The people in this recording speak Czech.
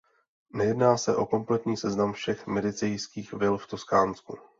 Nejedná se o kompletní seznam všech Medicejských vil v Toskánsku.